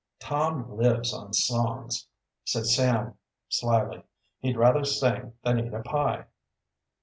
"Tom lives on songs," said Sam slyly. "He'd rather sing than eat a pie."